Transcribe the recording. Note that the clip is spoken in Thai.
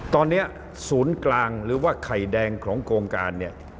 ตอนนี้ศูนย์กลางหรือว่าไข่แดงของโครงการเนี่ย